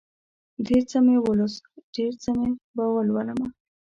ډېر څه مې ولوست، ډېر څه به ولولمه